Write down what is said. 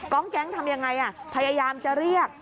กองแก๊งทำอย่างไรพยายามจะเรียก